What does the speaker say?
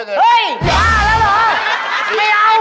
เอาออกมาเอาออกมาเอาออกมา